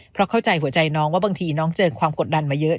เพราะเข้าใจหัวใจน้องว่าบางทีน้องเจอความกดดันมาเยอะ